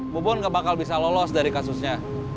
bubun gak bakal bisa lolos dari kasusnya